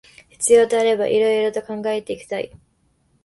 必要とあれば色々と考えていきたい